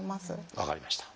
分かりました。